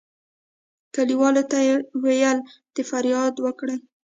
کلیوالو ته یې ویل د فریادونه وکړي.